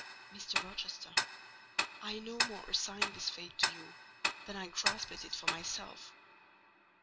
"Mr. Rochester, I no more assign this fate to you than I grasp at it for myself.